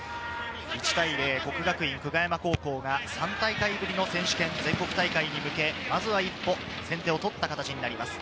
１対０、國學院久我山高校が３大会ぶりの選手権、全国大会に向け、まずは一歩先手をとった形になります。